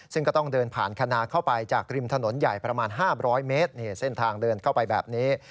ซึ่งก็ต้องเดินผ่านคณาเข้าไปจากริมถนนใหญ่ประมาณ๕๐๐เมตรเส้นทางเดินเข้าไปแบบนี้